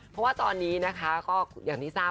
เพราะตอนนี้อย่างที่ทราบ